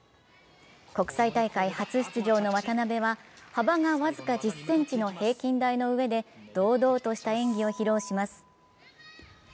国際大会初出場の渡部は幅が僅か１０ｃｍの平均台の上で堂々とした演技を披露します。